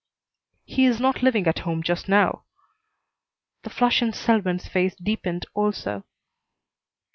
"He is not living at home just now." The flush in Selwyn's face deepened also.